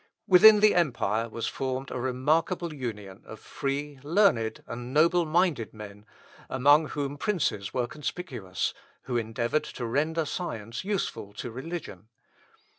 Within the empire was formed a remarkable union of free, learned, and noble minded men, among whom princes were conspicuous, who endeavoured to render science useful to religion.